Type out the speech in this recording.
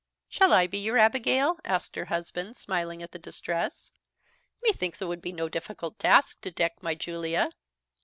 "Shall I be your Abigail?" asked her husband, smiling at the distress; "me thinks it would be no difficult task to deck my Julia."